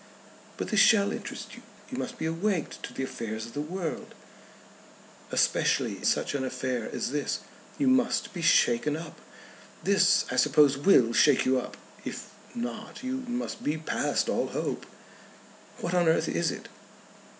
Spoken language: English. "But this shall interest you. You must be awaked to the affairs of the world especially such an affair as this. You must be shaken up. This I suppose will shake you up. If not, you must be past all hope." "What on earth is it?"